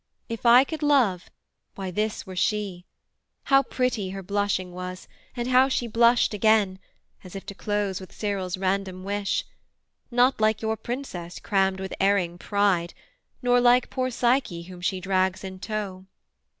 If I could love, why this were she: how pretty Her blushing was, and how she blushed again, As if to close with Cyril's random wish: Not like your Princess crammed with erring pride, Nor like poor Psyche whom she drags in tow.'